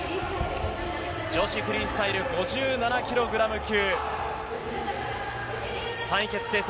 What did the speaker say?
女子フリースタイル５７キログラム級、３位決定戦